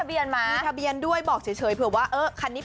มีทะเบียนด้วยบอกเฉย